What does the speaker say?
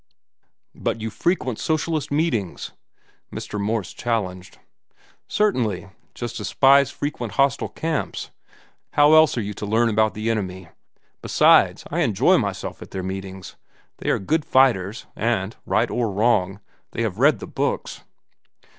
"But you frequent socialist meetings," Mr. Morse challenged. "Certainly, just as spies frequent hostile camps. How else are you to learn about the enemy? Besides, I enjoy myself at their meetings. They are good fighters, and, right or wrong, they have read the books.